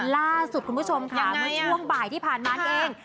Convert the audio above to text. ล่าสุดคุณผู้ชมค่ะเมื่อช่วงบ่ายที่ผ่านมานี่เอง